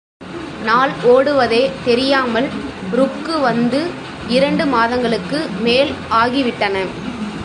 நாள் ஓடுவதே தெரியாமல் ருக்கு வந்து இரண்டு மாதங்களுக்கு மேல் ஆகிவிட்டன.